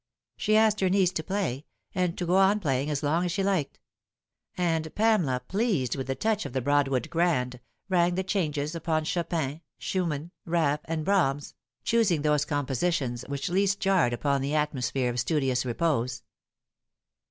She asked her niece to play, and to go on playing as long as she liked ; and Pamela, pleased with the touch of the Broadwood grand, rang the changes upon Chopin, Schumann, Raff, and Brahms, choosing those com positions which least jarred upon the atmosphere of studious repose.